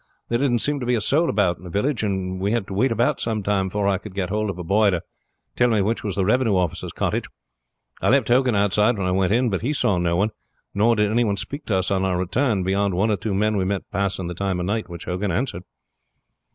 There didn't seem to be a soul about in the village, and we had to wait about some time before I could get hold of a boy to tell me which was the revenue officer's cottage. I left Hogan outside when I went in; but he saw no one, nor did any one speak to us on our return beyond one or two men we met passing the time of night, which Hogan answered."